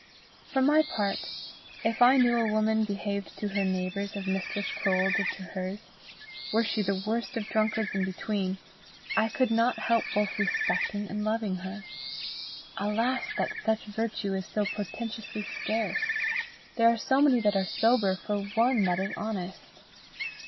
For my part, if I knew a woman behaved to her neighbours as Mistress Croale did to hers, were she the worst of drunkards in between, I could not help both respecting and loving her. Alas that such virtue is so portentously scarce! There are so many that are sober for one that is honest!